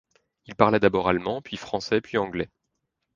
Il parla d'abord allemand, puis français, puis anglais.